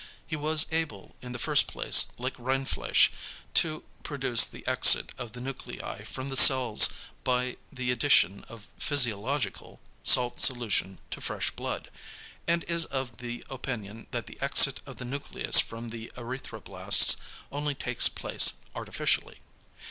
He was able in the first place, like Rindfleisch, to produce the exit of the nuclei from the cells by the addition of "physiological" salt solution to fresh blood, and is of the opinion that the exit of the nucleus from the erythroblasts only takes place artificially.